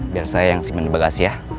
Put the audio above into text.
biar saya yang simpen di bagasi ya